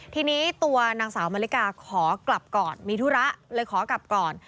ทีนี้ตัวนางสาวมาริกาขอกลับก่อนมีธุระเลยขอกลับก่อน